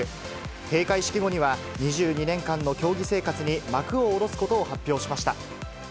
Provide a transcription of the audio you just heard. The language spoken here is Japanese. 閉会式後には、２２年間の競技生活に幕を下ろすことを発表しました。